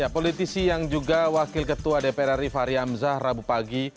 politisi yang juga wakil ketua dpr ri fahri hamzah rabu pagi